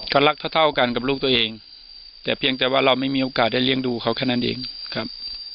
ก็รักเท่าเท่ากันกับลูกตัวเองแต่เพียงแต่ว่าเราไม่มีโอกาสได้เลี้ยงดูเขาแค่นั้นเองครับ